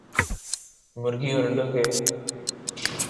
مرغی اور انڈوں ک